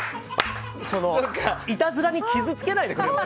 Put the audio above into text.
いたずらに傷つけないでくれと。